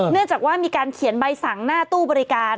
เนื่องจากว่ามีการเขียนใบสั่งหน้าตู้บริการ